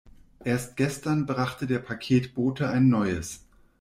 Erst gestern brachte der Paketbote ein neues.